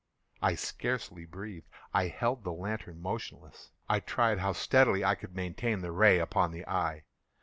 I scarcely breathed. I held the lantern motionless. I tried how steadily I could maintain the ray upon the eve.